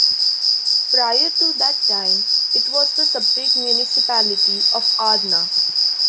Prior to that time, it was the separate municipality of Arna.